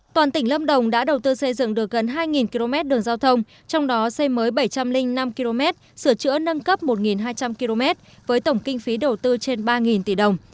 toàn tỉnh lâm đồng đã đầu tư xây dựng được gần hai km đường giao thông trong đó xây mới bảy trăm linh năm km sửa chữa nâng cấp một hai trăm linh km với tổng kinh phí đầu tư trên ba tỷ đồng